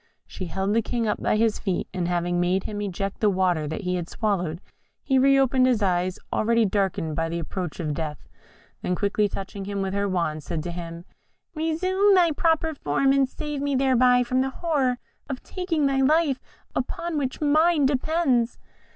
She held the King up by his feet, and having made him eject the water that he had swallowed, he reopened his eyes, already darkened by the approach of death, then quickly touching him with her wand, said to him, "Resume thy proper form, and save me thereby from the horror of taking thy life, upon which mine depends."